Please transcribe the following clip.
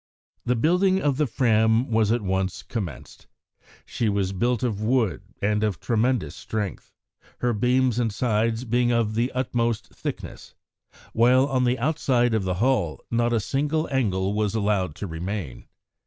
The building of the Fram was at once commenced. She was built of wood and of tremendous strength, her beams and sides being of the utmost thickness, while on the outside of the hull not a single angle was allowed to remain.